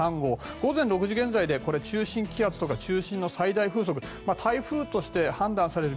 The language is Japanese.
午前６時現在中心気圧とか中心の最大風速が台風として判断される